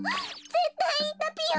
ぜったいいたぴよ！